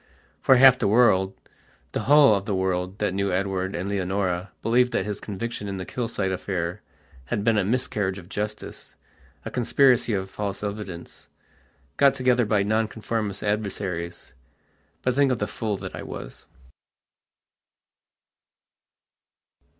For half the worldthe whole of the world that knew Edward and Leonora believed that his conviction in the Kilsyte affair had been a miscarriage of justicea conspiracy of false evidence, got together by Nonconformist adversaries. But think of the fool that I was....